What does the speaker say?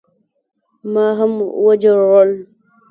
ما هم وجړل.